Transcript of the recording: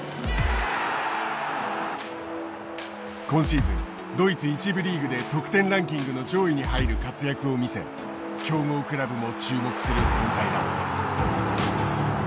今シーズンドイツ１部リーグで得点ランキングの上位に入る活躍を見せ強豪クラブも注目する存在だ。